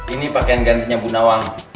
ini pakaian gantinya bunda awang